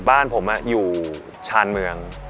บ้านผมอยู่ชานเมือง